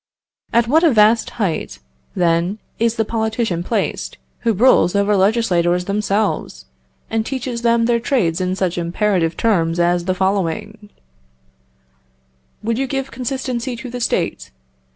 At what a vast height, then, is the politician placed, who rules over legislators themselves, and teaches them their trade in such imperative terms as the following: "Would you give consistency to the State?